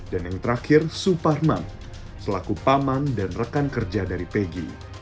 dan yang terakhir suparman selaku paman dan rekan kerja dari pegi